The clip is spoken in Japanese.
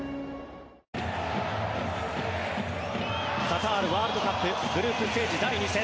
カタールワールドカップグループステージ第２戦。